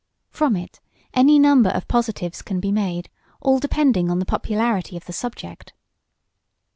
From it any number of positives can be made, all depending on the popularity of the subject.